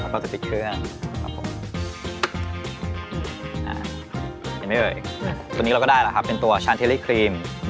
ตอนนี้เราก็ได้แล้วครับเป็นตัวชานเทลลี่ครีม